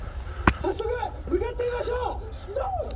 早速向かってみましょう！